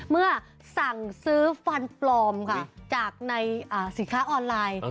เมื่อสั่งซื้อฟันปลอมค่ะจากในสินค้าออนไลน์